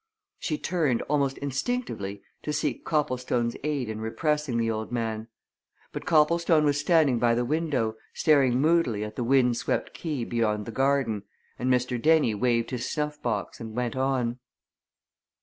She turned, almost instinctively, to seek Copplestone's aid in repressing the old man. But Copplestone was standing by the window, staring moodily at the wind swept quay beyond the garden, and Mr. Dennie waved his snuff box and went on.